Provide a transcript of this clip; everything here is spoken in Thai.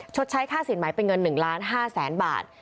ชดใช้ค่าศิลป์หมายเป็นเงิน๑๕๐๐๐๐๐บาท